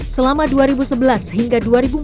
selama dua ribu sebelas hingga dua ribu empat belas